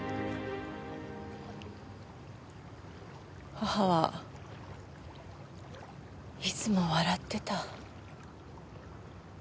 母はいつも笑ってた。